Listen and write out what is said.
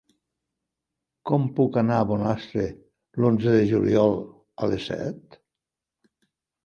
Com puc anar a Bonastre l'onze de juliol a les set?